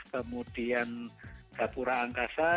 kemudian gapura angkasa